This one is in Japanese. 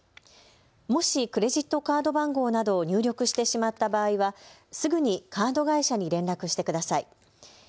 もしクレジットカード番号などを入力してしまった場合はすぐにカード会社に連絡してください。